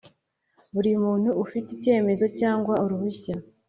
Buri muntu ufite icyemezo cyangwa uruhushya